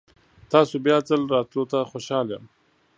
تاسو بیا ځل راتلو ته خوشحال یم.